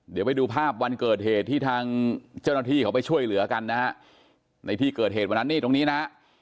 เดี๋ยวไปดูภาพวันเกิดเหตุที่ทางเจ้าหน้าที่เขาไปช่วยเหลือกันนะฮะในที่เกิดเหตุวันนั้นนี่ตรงนี้นะฮะ